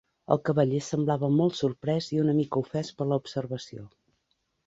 El cavaller semblava molt sorprès i una mica ofès per la observació.